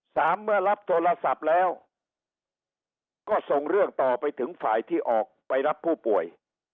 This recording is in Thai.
เมื่อรับโทรศัพท์แล้วก็ส่งเรื่องต่อไปถึงฝ่ายที่ออกไปรับผู้ป่วย